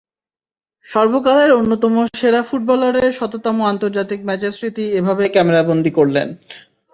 সর্বকালের অন্যতম সেরা ফুটবলারের শততম আন্তর্জাতিক ম্যাচের স্মৃতি এভাবেই ক্যামেরাবন্দী করলেন।